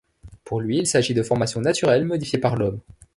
Pour lui, il s'agit de formations naturelles modifiées par l'homme.